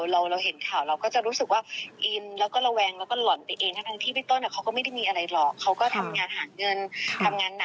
แล้วเอ้ามาส่องเรามาเห็นอะไรอย่างนี้แล้วก็ร้อนตัวอะไรอย่างนี้